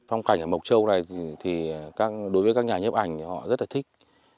phong cảnh ở mộc châu này thì đối với các nhà nhếp ảnh họ rất là thích